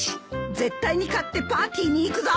絶対に勝ってパーティーに行くぞ！